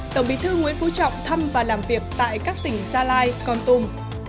tổng bí thư nguyễn phú trọng thăm và làm việc tại các tỉnh gia lai con tum